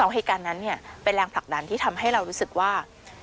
เหตุการณ์นั้นเป็นแรงผลักดันที่ทำให้เรารู้สึกว่า